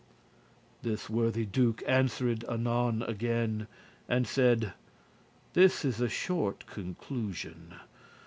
This worthy Duke answer'd anon again, And said, "This is a short conclusion.